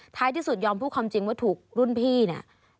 ท้ายที่สุดยอมพูดความจริงว่าถูกรุ่นพี่เนี่ย